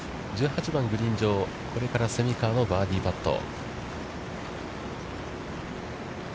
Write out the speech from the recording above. １８番グリーン上、これから蝉川のバーディーパット。